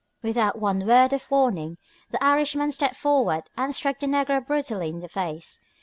Without one word of warning the Irishman stepped forward and struck the negro brutally in the face.